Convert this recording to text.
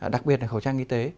đặc biệt là khẩu trang y tế